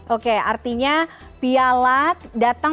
oke artinya piala datang tidak bersamaan